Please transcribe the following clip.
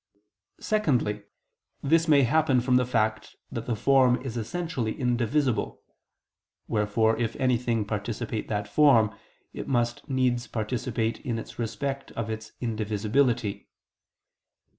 Secondly this may happen from the fact that the form is essentially indivisible: wherefore if anything participate that form, it must needs participate it in respect of its indivisibility.